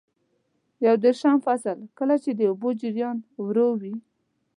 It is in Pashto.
یو دېرشم فصل: کله چې د اوبو جریان ورو وي.